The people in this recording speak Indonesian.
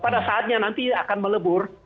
pada saatnya nanti akan melebur